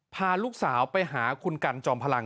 พาลูกสาวไปหาคุณกันจอมพลัง